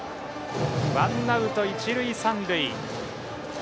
ワンアウト一塁三塁。